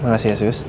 makasih ya sus